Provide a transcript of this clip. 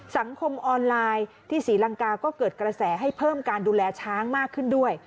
สังคมออนไลน์ที่ศรีลังกาก็เกิดกระแสให้เพิ่มการดูแลช้างมากขึ้นด้วย